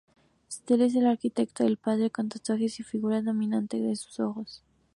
Steele es el arquetipo del padre, con tatuajes y figura dominante con sus socios.